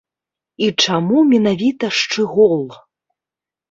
І чаму менавіта шчыгол?